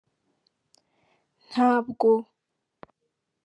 Ntabwo